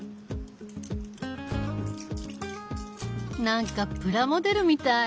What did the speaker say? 何かプラモデルみたい。